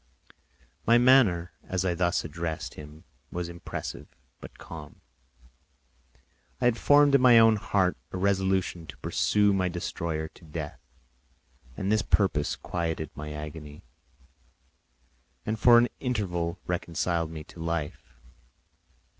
My manner as I thus addressed him was impressive but calm; I had formed in my own heart a resolution to pursue my destroyer to death, and this purpose quieted my agony and for an interval reconciled me to life.